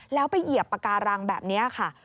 แล้วไปเหยียบปากการังแบบนี้ค่ะ